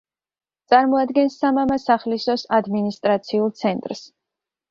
წარმოადგენს სამამასახლისოს ადმინისტრაციულ ცენტრს.